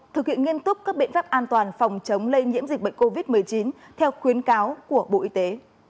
thực hiện nghiêm túc các biện pháp an toàn phòng chống lây nhiễm dịch bệnh covid một mươi chín theo khuyến cáo của bộ y tế